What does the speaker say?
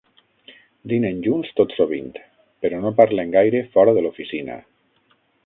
Dinen junts tot sovint, però no parlen gaire fora de l'oficina.